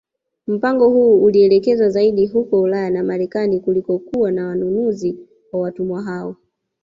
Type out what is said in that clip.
Mpango huu ulielekezwa zaidi huko Ulaya na Marekani kulikokuwa na wanunuzi wa watumwa hao